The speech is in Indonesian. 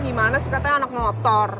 gimana sih katanya anak motor